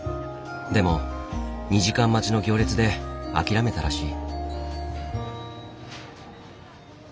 でも２時間待ちの行列で諦めたらしい。